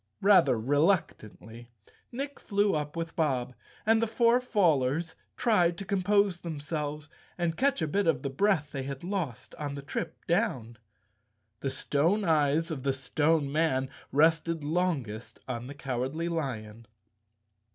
Rather reluc¬ tantly, Nick flew up with Bob, and the four fallers tried to compose themselves and catch a bit of the breath they had lost on the trip down. The stone eyes of the Stone Man rested longest on the Cowardly Lion.